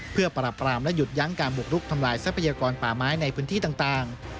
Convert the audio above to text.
เพื่อปราบรามและหยุดยั้งการบุกลุกทำลายทรัพยากรป่าไม้ในพื้นที่ต่าง